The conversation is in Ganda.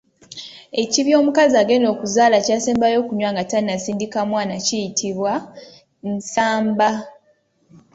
Ekibya omukazi agenda okuzaala kyasembayo okunywa nga tannasindika mwana kiyitibwa, Nsamba.